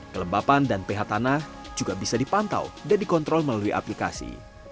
kelembapan dan ph tanah juga bisa dipantau dan dikontrol melalui aplikasi